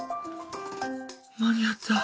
間に合った。